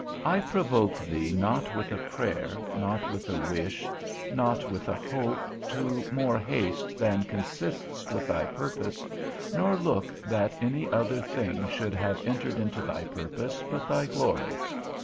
I provoke thee not with a prayer, not with a wish, not with a hope, to more haste than consists with thy purpose, nor look that any other thing should have entered into thy purpose, but thy glory.